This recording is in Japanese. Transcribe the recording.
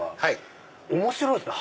面白いですね